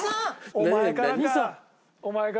お前からか。